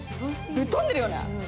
ぶっ飛んでるよね！